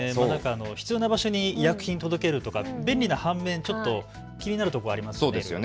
必要な場所に医薬品届けるとか便利な反面、ちょっと気になる所もありますよね。